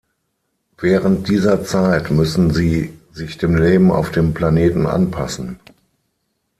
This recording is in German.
Während dieser Zeit müssen sie sich dem Leben auf dem Planeten anpassen.